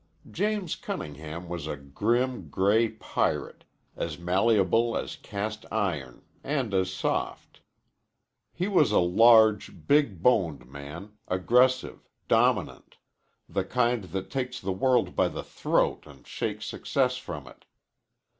James Cunningham was a grim, gray pirate, as malleable as cast iron and as soft. He was a large, big boned man, aggressive, dominant, the kind that takes the world by the throat and shakes success from it.